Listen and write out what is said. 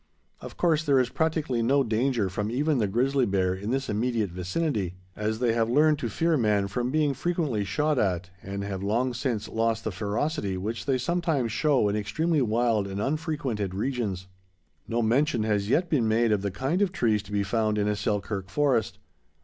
Of course, there is practically no danger from even the grizzly bear in this immediate vicinity, as they have learned to fear man from being frequently shot at, and have long since lost the ferocity which they sometimes show in extremely wild and unfrequented regions. No mention has yet been made of the kind of trees to be found in a Selkirk forest.